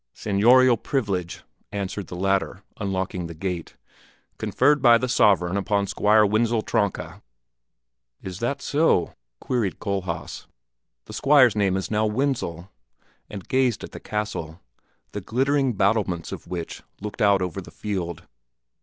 "Seignorial privilege" answered the latter, unlocking the gate, "conferred by the sovereign upon Squire Wenzel Tronka." "Is that so?" queried Kohlhaas; "the Squire's name is now Wenzel?" and gazed at the castle, the glittering battlements of which looked out over the field.